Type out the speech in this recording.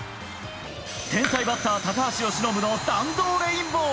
天才バッター、高橋由伸の弾道レインボー。